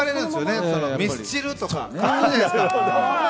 ミスチルとかあるじゃないですか。